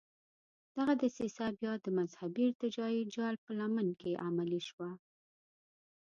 دغه دسیسه بیا د مذهبي ارتجاعي جال په لمن کې عملي شوه.